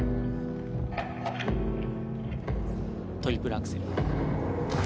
トリプルアクセル。